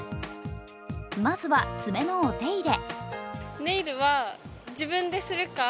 まずは爪のお手入れ。